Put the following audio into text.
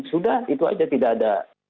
sudah itu aja tidak ada